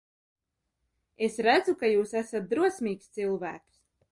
Es redzu, ka jūs esat drosmīgs cilvēks.